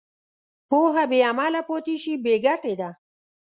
پوهه بېعمله پاتې شي، بېګټې ده.